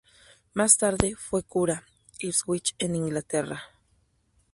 Más tarde fue cura de Ipswich en Inglaterra.